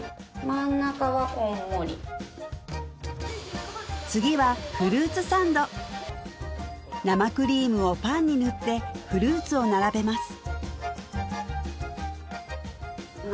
真ん中はこんもり次はフルーツサンド生クリームをパンに塗ってフルーツを並べます